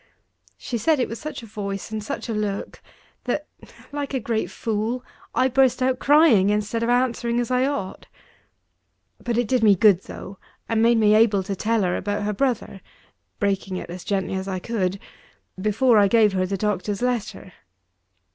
She said it with such a voice and such a look, that, like a great fool, I burst out crying, instead of answering as I ought. But it did me good, though, and made me able to tell her about her brother (breaking it as gently as I could) before I gave her the doctor's letter.